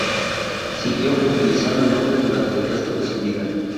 Siguió utilizando el nombre durante el resto de su vida.